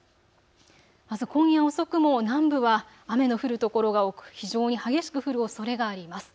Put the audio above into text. まず今夜遅くも南部は雨の降る所が多く非常に激しく降るおそれがあります。